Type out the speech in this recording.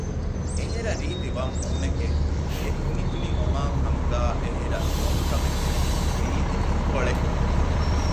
އެހެރަ ރީތި ވަށް މޫނެކެވެ! އެތުނިތުނި އޮމާން ހަމުގައި އެހެރަ ދޮން ކަމެކެވެ! ރީތި އިސްކޮޅެއް